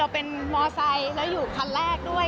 เป็นมอไซค์แล้วอยู่คันแรกด้วย